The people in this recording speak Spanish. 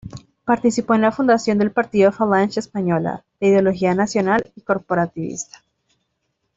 Participó en la fundación del partido Falange Española, de ideología nacional y corporativista.